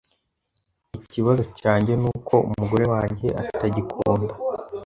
Ikibazo cyanjye nuko umugore wanjye atagikunda.